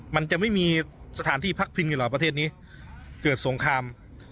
มันจะไม่มีสถานที่พักพิงอยู่เหรอประเทศนี้เกิดสงคราม